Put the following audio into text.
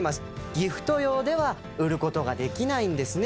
ギフト用では売ることができないんですね